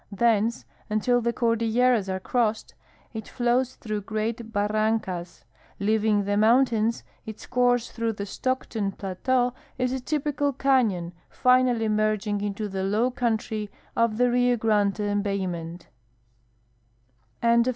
Thence, until the Cordilleras are crossed, it flows through great barrancas. Leaving the moun tains, its course through the Stockton i)lateau is a typical canon, finally merging into the low country of the Rio Grande embay ment.